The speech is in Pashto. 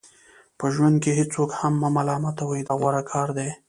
په ژوند کې هیڅوک هم مه ملامتوئ دا غوره کار دی.